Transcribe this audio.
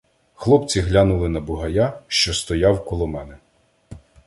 Хлопці глянули на Бугая, що стояв коло мене.